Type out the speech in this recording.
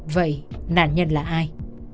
vậy nạn nhân là ai